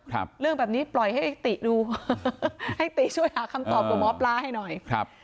เรื่องแบบนี้ปล่อยให้ติดูให้ติช่วยหาคำตอบกับหมอปลาให้หน่อยครับ